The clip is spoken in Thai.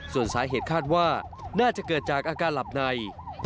ส่วนสาเหตุคาดว่าน่าจะเกิดจากอาการหลับใน